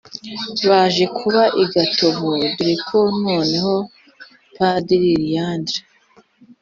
baje kuba i gatovu dore ko noneho padiri leandre